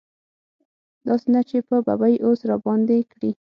داسې نه چې په ببۍ اوس راباندې کړي.